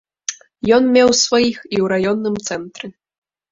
Ён меў сваіх і ў раённым цэнтры.